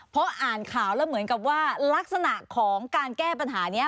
เพราะอ่านข่าวแล้วเหมือนกับว่าลักษณะของการแก้ปัญหานี้